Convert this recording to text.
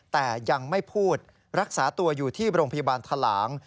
แต่ยังไม่พูดรักษาตัวอยู่ที่โรงพยาบาลทะหลาง